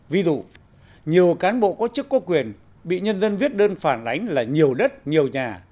ví dụ nhiều cán bộ có chức có quyền bị nhân dân viết đơn phản ánh là nhiều đất nhiều nhà